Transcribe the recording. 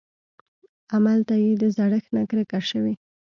املته يې د زړښت نه کرکه شوې.